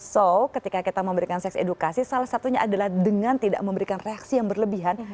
so ketika kita memberikan seks edukasi salah satunya adalah dengan tidak memberikan reaksi yang berlebihan